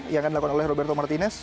yang akan dilakukan oleh roberto martinez